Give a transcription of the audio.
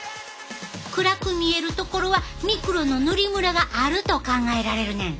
暗く見える所はミクロの塗りムラがあると考えられるねん。